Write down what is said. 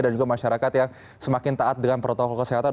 juga masyarakat yang semakin taat dengan protokol kesehatan